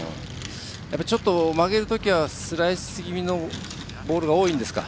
ちょっと曲げるときはスライス気味のボールが多いんですか。